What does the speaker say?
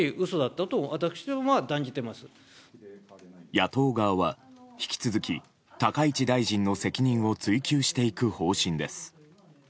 野党側は引き続き、高市大臣の責任を追及していく方針です。